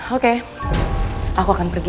oke aku akan pergi